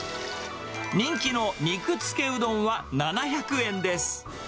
人気の肉つけうどんは７００円です。